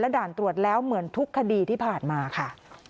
ด่านตรวจแล้วเหมือนทุกคดีที่ผ่านมาค่ะ